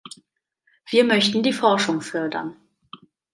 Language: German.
Wir möchten die Forschung fördern.